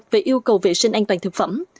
về yêu cầu vệ sinh an toàn thực phẩm